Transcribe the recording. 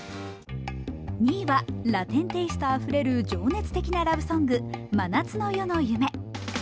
２位は、ラテンテイストあふれる情熱的なラブソング、「真夏の夜の夢」。